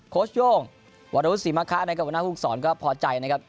ชโย่งวรวุศิมะคะนะครับหัวหน้าภูมิสอนก็พอใจนะครับ